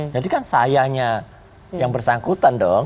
jadi kan sayangnya yang bersangkutan dong